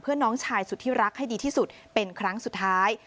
เพื่อน้องชายสุดที่รักให้ดีที่สุดเป็นครั้งสุดท้าย